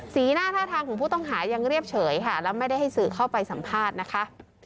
หน้าท่าทางของผู้ต้องหายังเรียบเฉยค่ะแล้วไม่ได้ให้สื่อเข้าไปสัมภาษณ์นะคะ